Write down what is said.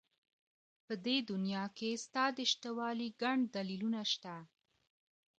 په دې دنيا کې ستا د شتهوالي گڼ دلیلونه شته.